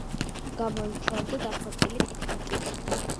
გამოირჩეოდა დახვეწილი ტექნიკით.